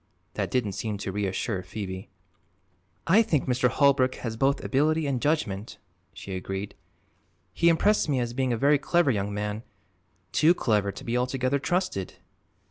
That didn't seem to reassure Phoebe. "I think Mr. Holbrook has both ability and judgment," she agreed. "He impressed me as being a very clever young man too clever to be altogether trusted."